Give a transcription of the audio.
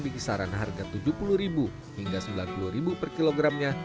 di kisaran harga rp tujuh puluh hingga rp sembilan puluh per kilogramnya